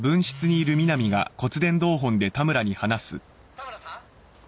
田村さん？